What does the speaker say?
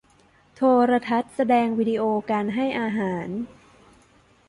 โทรทัศน์แสดงวิดีโอการให้อาหาร